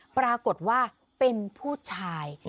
ปรากฏว่าเป็นผู้ชาย